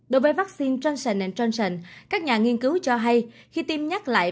đối với vaccine johnson johnson các nhà nghiên cứu cho hay khi tiêm nhắc lại